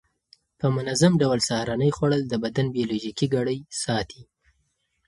په منظم ډول سهارنۍ خوړل د بدن بیولوژیکي ګړۍ ساتي.